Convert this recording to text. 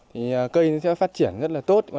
thì cây sẽ phát triển rất là tốt